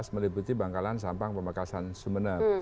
meliputi bangkalan sampang pemekasan sumena